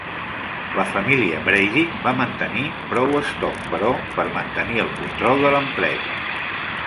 La família Brady va mantenir prou estoc, però, per mantenir el control de l'empresa.